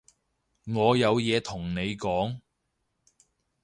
我有嘢同你講